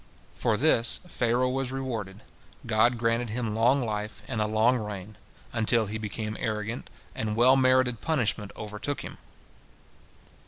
For this Pharaoh was rewarded. God granted him long life and a long reign, until he became arrogant, and well merited punishment overtook him.